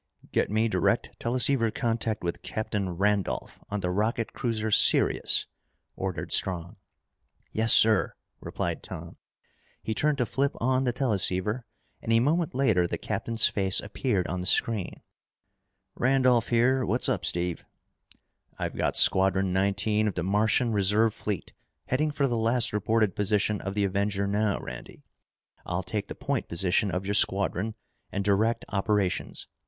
"Get me direct teleceiver contact with Captain Randolph on the rocket cruiser Sirius," ordered Strong. "Yes, sir," replied Tom. He turned to flip on the teleceiver, and a moment later the captain's face appeared on the screen. "Randolph here. What's up, Steve?" "I've got Squadron Nineteen of the Martian reserve fleet heading for the last reported position of the Avenger now, Randy. I'll take the point position of your squadron and direct operations.